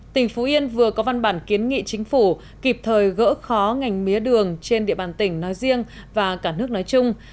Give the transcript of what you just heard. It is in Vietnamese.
tỉnh phú yên vừa có văn bản kiến nghị chính phủ kịp thời gỡ khó ngành mía đường trên địa bàn tỉnh nói riêng và cả nước nói chung